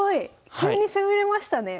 急に攻めれましたね。